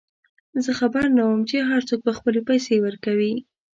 زه خبر نه وم چې هرڅوک به خپلې پیسې ورکوي.